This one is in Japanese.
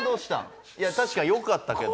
いや確かによかったけど。